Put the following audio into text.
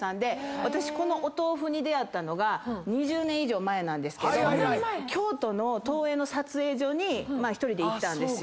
私このお豆腐に出合ったのが２０年以上前なんですけど京都の東映の撮影所にまあ１人で行ったんですよ。